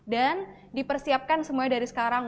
dan dipersiapkan semuanya dari sekarang